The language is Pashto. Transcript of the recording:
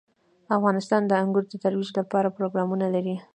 افغانستان د انګور د ترویج لپاره پروګرامونه لري.